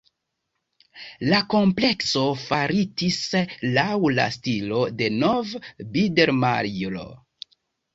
La komplekso faritis laŭ la stilo de nov-bidermajro.